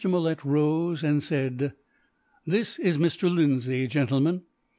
Malet rose and said: "This is Mr. Lindsay, gentlemen."